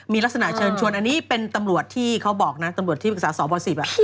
มีลักษณะเชิญชวนอันนี้เป็นตำรวจที่เขาบอกนะตำรวจที่ปรึกษาสบ๑๐